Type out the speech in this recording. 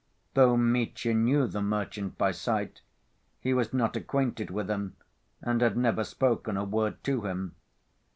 Though Mitya knew the merchant by sight, he was not acquainted with him and had never spoken a word to him.